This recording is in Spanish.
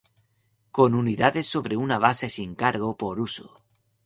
Con unidades sobre una base sin cargo por uso.